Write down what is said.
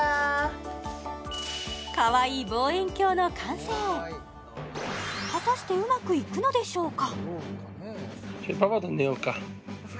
かわいい望遠鏡の完成果たしてうまくいくのでしょうか？